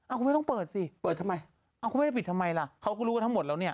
อ้าวคุณว่าย้าต้องเปิดสิถ้ายก็รู้กันทั้งหมดแล้วนี้